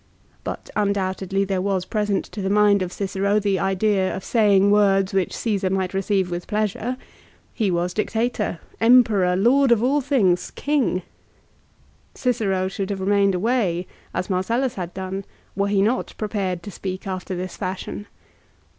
But, undoubtedly, there was present to the mind of Cicero the idea of saying words which Caesar might receive with pleasure. He was dictator, emperor, lord of all "Pro Marcello," ii. MARCELLUS, LIGARIUS, AND DEIOTARUS. 181 things, king. Cicero should have remained away, as Mar cellus had done, were he not prepared to speak after this fashion.